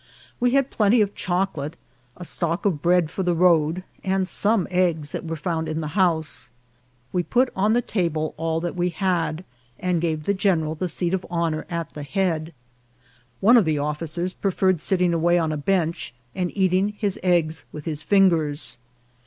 We had plenty of choc olate, a stock of bread for the road, and some eggs that were found in the house. We put on the table all that we had, and gave the general the seat of honour at the head. One of the officers preferred sitting away on a bench, and eating his eggs with his fingers.